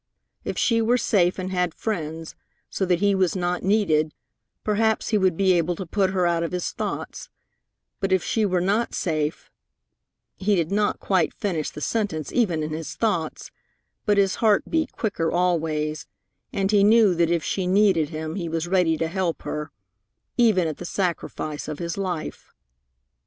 If she were safe and had friends, so that he was not needed, perhaps he would be able to put her out of his thoughts, but if she were not safe He did not quite finish the sentence even in his thoughts, but his heart beat quicker always, and he knew that if she needed him he was ready to help her, even at the sacrifice of his life.